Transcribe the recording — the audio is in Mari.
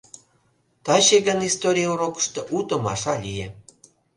Таче гын историй урокышто у томаша лие.